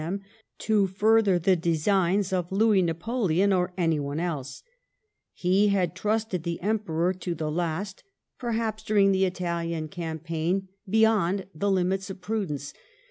them to further the designs of Louis Napoleon or anyone else. He had trusted the Emperor to the last ; perhaps, during the Italian cam i 218 LIFE OF VISCOUNT PALMEB8T0N. paign beyond the limits of pradenoe.